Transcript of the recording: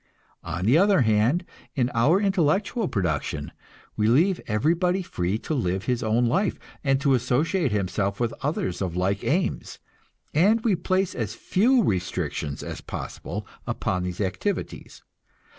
On the other hand, in our intellectual production we leave everybody free to live his own life, and to associate himself with others of like aims, and we place as few restrictions as possible upon their activities.